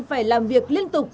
phải làm việc liên tục